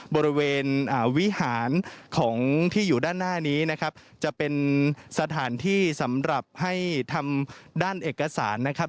บริเวณวิหารของที่อยู่ด้านหน้านี้นะครับจะเป็นสถานที่สำหรับให้ทำด้านเอกสารนะครับ